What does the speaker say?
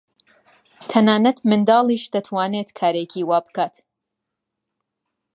تەنانەت منداڵیش دەتوانێت کارێکی وا بکات.